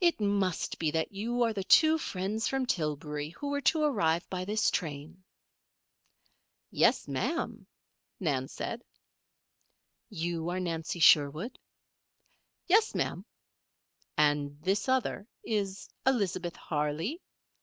"It must be that you are the two friends from Tillbury, who were to arrive by this train." "Yes, Ma'am," Nan said. "You are Nancy Sherwood?" "Yes, Ma'am." "And this other is Elizabeth Harley?"